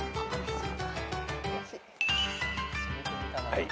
はい。